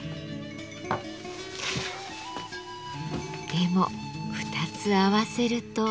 でも二つ合わせると。